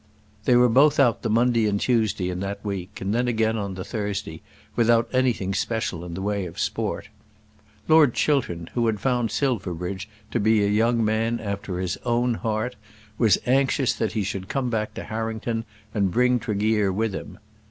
They were both out the Monday and Tuesday in that week, and then again on the Thursday without anything special in the way of sport. Lord Chiltern, who had found Silverbridge to be a young man after his own heart, was anxious that he should come back to Harrington and bring Tregear with him.